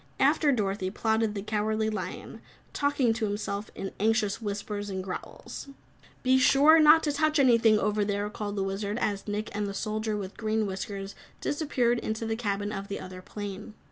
After Dorothy plodded the Cowardly Lion, talking to himself in anxious whispers and growls. "Be sure not to touch anything over there," called the Wizard, as Nick and the Soldier with Green Whiskers disappeared into the cabin of the other plane.